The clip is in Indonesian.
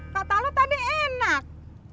kata lo tadi enak